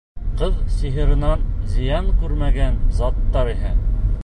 Ҡыҙ сихырынан зыян күрмәгән заттар иһә